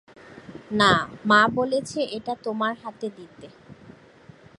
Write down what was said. না, মা বলেছে এটা তোমার হাতে দিতে।